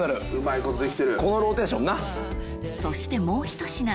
そしてもうひと品